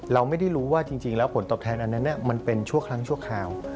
เราไม่ได้รู้ว่าจริงแล้วผลตอบแทนอันนั้นมันเป็นชั่วครั้งชั่วคราว